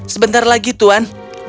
sebentar lagi tuan